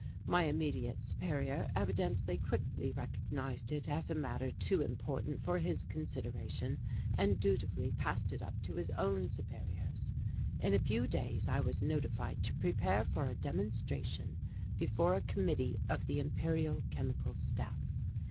My immediate superior evidently quickly recognized it as a matter too important for his consideration and dutifully passed it up to his own superiors. In a few days I was notified to prepare for a demonstration before a committee of the Imperial Chemical Staff.